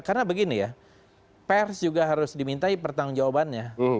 karena begini ya pers juga harus dimintai pertanggung jawabannya